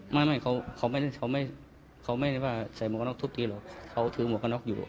ไม่ไม่เขาไม่เขาไม่ก็จะใส่หมวกก็ไปทุบตีหรอกเขาทืมวกกตงนอกอยู่